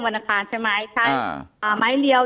แต่คุณยายจะขอย้ายโรงเรียน